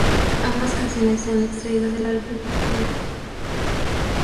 Ambas canciones se han extraído del álbum"Peep".